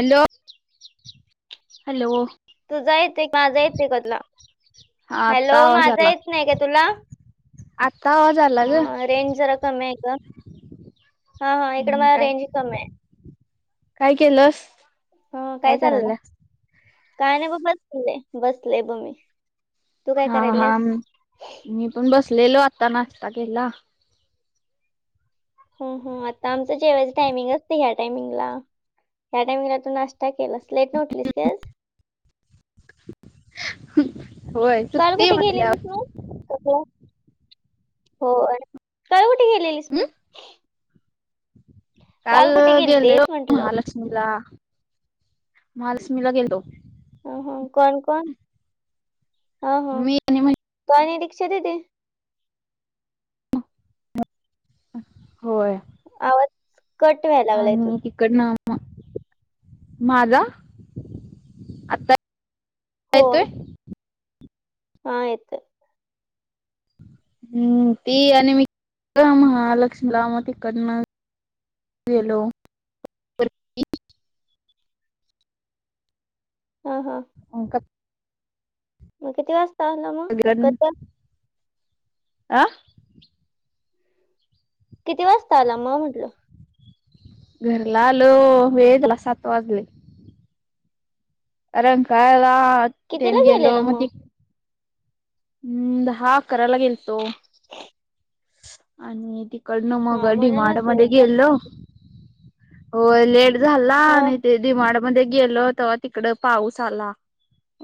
Hello hello तुझा येतय माझा येत आहे का मला हा हॅलो आता आवाज माझा आला येत नाही का तुला? आत्ता आवाज आला ग हां रेंज जरा कमी आहे ग. हा हा इकड हम्म मला काय रेंज कमी आहे. काय केलस? हां काय चाललय काय नाही बघ बसले बसलेय बघ मी. तू काय हा हा, करायलीस मी पण बसलेलो, आता नाश्ता केला. हो हो, आता आमची जेवा टायमिंग असतंय, ह्या टायमिंगला. ह्या टाइमिंगला तू नाश्ता केलास, लेट उठलीस काय आज? होय, सुट्टी ए म्हंटल्यावर [unintelligible] होय, काल कुठं गेलेलीस हम्म मग? काल कुठे गेलेलो गेलतेस म्हटलं महालक्ष्मीला, महालक्ष्मीला गेलो. हू हू, कोण कोण? मी आणि मा तू आणि दिक्षा दीदी? अं होय. आवाज? कट व्हायला लागलाय आणि तुझा तिकडनं मग, माझा, आता? -ता हो येतोय? हा येतंय. हम्म, ती अन मी, महालक्ष्मीला मं तिकडनं गेलो. अ हा हा. [unintelligible] मग किती वास्ता आला मग, कसं? आ? किती वाजता आला मग म्हटलं? घरला आलो, वेळ झाला सात वाजले. रंकाळ्याला कितीला तेन गेलो गेलेला मग ती हम्म, धा अकरायला गेलतो आणि ती -कडनं मग हा डी माड म्हणूनच मध्ये लेट झाला गेल्लो होय लेट झाला, हा नी ते दी माड मध्ये गेलो, तेव्हा तिकडं पाऊस आला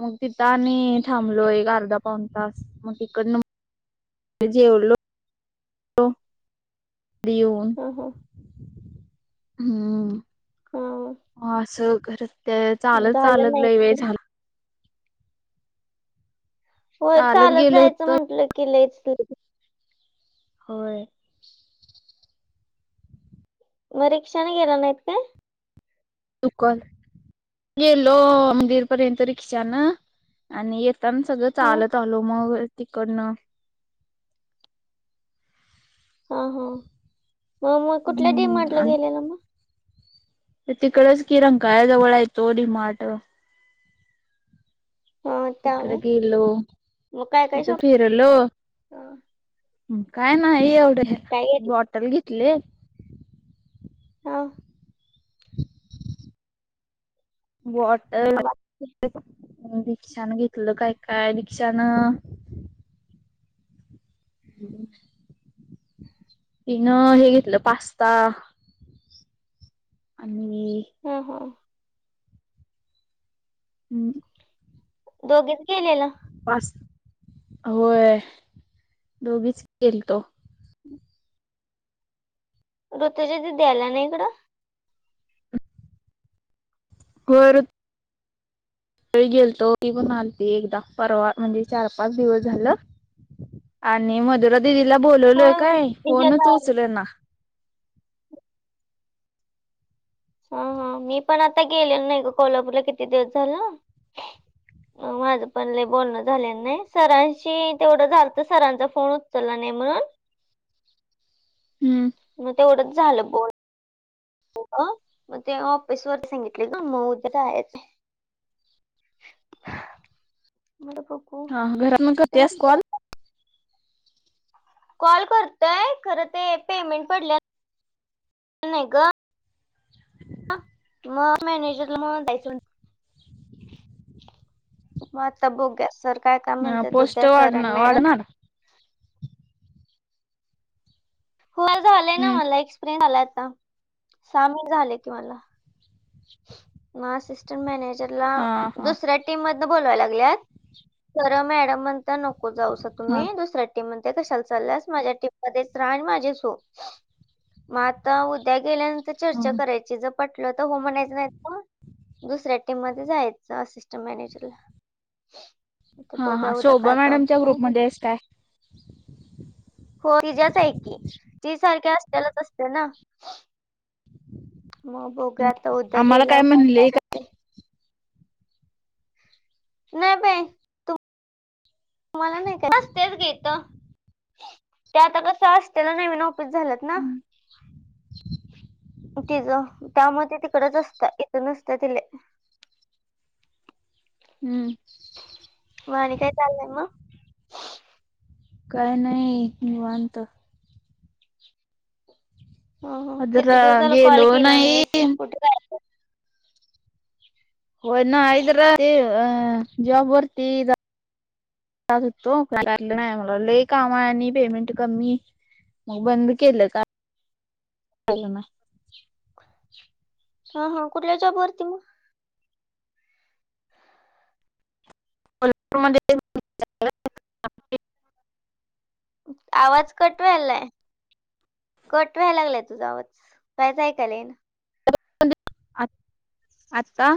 मग तिथं आणि थांबलो एक अर्धा पाऊण तास मग तिकडनं जेवलो [unintelligible] दीऊन, हा हा हम्म हम्म. मग आसं खरच ते चालत झालं चालत नाही लै वेळ झाला होय, चालत गेलो जायचं होतो म्हंटलं की लैच ते होय. मग रिक्षानी गेला नाहीत काय? चुकत, गेलो मंदिरपर्यंत रिक्षानं आणि येताना सगळं हा चालत आलो मग तिकडनं हा हा, मग मग कुठल्या डिमार्टला हम्म गेलेला मग? तो तिकडंच की, रंकाळ्याजवळ ए तो डीमार्ट हा त्यावे इकडं गेलो, मग काय काय शॉप इथं फिरलो हं काय न्हाई एवढं, काय घेतलं बॉटल घेतली हाव. बॉटल, मग बाकी दिक्षानं घेतलं काय काय, दिक्षानं तीनं हे घेतलं पास्ता आणि हा, हा. हं.. दोघीच गेलेलं पाच व्हयं दोघीच गेलतो. ऋतूजा दिदी आल्या ना हिकडं? वरद होय गेलतो ती पण आलती एकदा परवा म्हणजे चार- पाच दिवस झालं. आणि मधुरा दिदीला बोलवलोय होय हो. काय, फोनच तिच्याला उचलेना. हा, हा. मी पण आता गेलेलो नाही गं कोल्हापूरला किती दिवस झालं. [inaudible] माझं पण लई बोलणं झाल्यालं नाही, सरांशी तेवढं झालंतं, सरांचा फोन ह उचलला नाही म्हणून. [inaudible] मग तेवढच झालं बोल अ मग ते ऑफिस वर्क सांगितलंय ग, मग उद्या जाण्याचं हाय. मला हा, हां. घरात मग करत्यास कॉल. कॉल करतोय खरं ते पेमेंट पडल्या लं नाही गं, मग मॅनेजरला म्हणून दयायचं म्हणतो. म आता बगुया सर काय काय हा म्हणत्यात पोस्ट उद्या सर आणि वाढणार मॅडम. वाढणार हो झालंय ना, हम्म मला एक्सपिरियन आलाय आता सहा महिने झालंय की मला. म असिस्टं मॅनेजरला हा हा दुसऱ्या टीम मधनं बोलवाय लागल्यात. खरं मॅडम म्हणत्या नको जाऊसा हा तुम्हीं दुसऱ्या ती म्हणत्या कशाला चालल्यास माझ्या टीम मध्येच रहा आणि माझीच हो. मग आता उद्या गेल्यानंतर हा. चर्चा करायची, जर पटलं तर हो म्हणायच नाहीतर दुसऱ्या टीम मध्ये जायाचं असिस्टंट मॅनेजरला. आता हा, बघा हा. उद्या शोभा काय काय मॅडमच्या होतंय ग्रुपमध्ये आहेस काय? हो तिज्याच हाय की, ती सारख्या असल्यालाच असत्या ना. मग बघुया आता उद्या आम्हाला गेल्यावर काय. काय म्हणले का होतंय नाही बाई. मला नाही काय नसत्याच गं इथं, ते आता कस असतेला नाही म्हणू. वीस झाल्यात ना तिज त्यामुळं ती तिकडंच असत्या इथं नसत्या ति लई. हू व्हयं आणि काय चाललंय मग? काय नाही निवांत. हू.. हू.. किती जरा दिवस झालं कॉल गेलो केला नाही नाहीस? कुठे गायब होय नाही जरा हे अ जॉब वरती जा जात हुतो काय जमलं नाही मला, लई काम आणि पेमेंट कमी. मग बंद केलं काम त्या हेनं. ह, हा कुठल्या जॉब वरती मग? कोल्हापूरमध्ये आवाज कट व्हायलाय. कट व्हाय लागलाय तुझा आवाज, कायच ऐकायला येईना. आत आता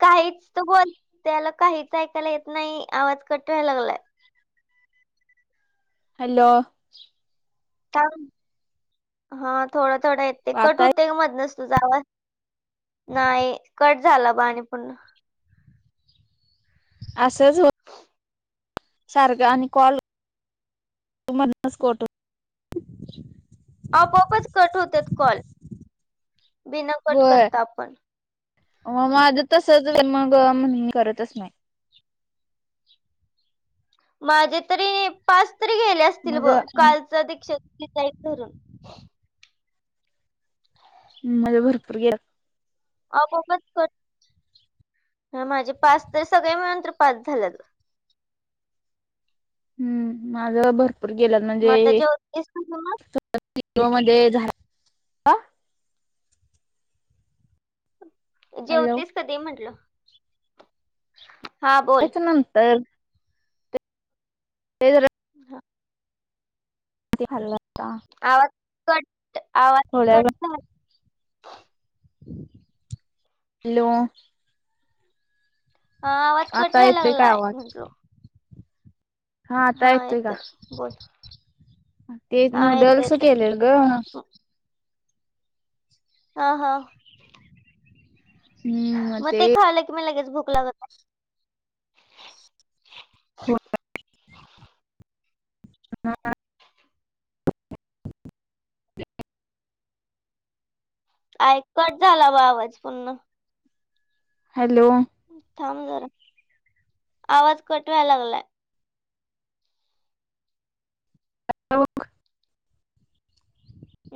काहीच तू बोल. त्याल काहीच ऐकायला येत नाही. आवाज कट व्हायला लागलाय. हॅलो, थांब, हं. थोडा थोडा येतोय. कट आता होतोय गं मधनच तुझा आवाज. नाही. कट झाला ब आणि पुन्हा. असंच हो सारख आणि कॉल मधनच कट होत. आपोआपच कट होत्यात कॉल, बिना कट करता पण. म माझ तसंच झालंय मग मी करतच नाही. माझे तरी पाच तरी गेले असतील मग ब. कालच दीक्षित [unintelligible] धरून. म म्हणजे भरपूर गेल्यात. आपोआपच कट, अं माझे पाच तर, सगळे मिळून तर पाच झाल्यात गं. हं. माझ भरपूर गेल्यात मग आता म्हणजे जेवतीस कधी मग [inaudible] हॅलो जेवतीस कधी म्हंटलं? येच्या नंतर. ते जरा [unintelligible] ते खाल्लत का? आवाज कट आवाज कट वेळ झाला. हॅलो, हा, आवाज कट आता व्हाय येतोय का लागलाय आवाज म्हंटलो. हा आता येतोय का? ते हा येतोय नूडल्स येतोय केले ग. हा हा. हं. म ते खालं की मग लगेच भूक लागत नाही. [inaudible] [inaudible] आय कट झाला व आवाज पून्हा. हॅलो, थांब जरा आवाज कट व्हाय लागलाय. आता बघ.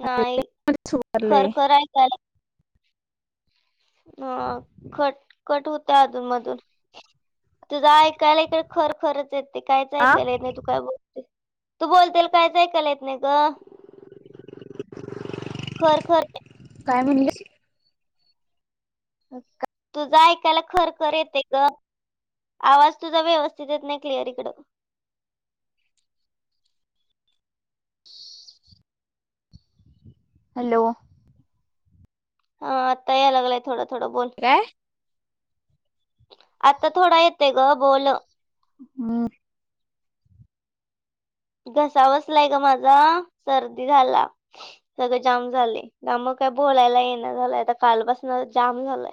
नाही. खरखर ऐकायलाय. हं. खट कट होत त अधून मधून. तुझं ऐकायला इकडं खरखरच येत. ते काहीच ऐकायला येत नाही, तू काय बोलते. तू बोलतेल कायच ऐकायला येत नाही ग. खरखर काय म्हणलीस? [unintelligible] तुझं ऐकायला खरखर येते ग. आवाज तुझा व्यवस्थित येत नाही क्लिअर इकडं. हॅलो, हं, आता याय लागलाय थोडा थोडा, बोल. काय? आता थोडा येतोय ग. बोल. [unintelligible] घसा बसलाय गं माझा. सर्दी झाला. सगळं जाम झाले. का मग काय बोलायला ये ना झालंय. आता कालपासन जाम झालंय.